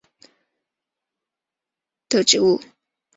二籽薹草是莎草科薹草属的植物。